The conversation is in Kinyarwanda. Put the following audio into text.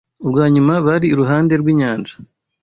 ubwa nyuma bari iruhande rw’inyanja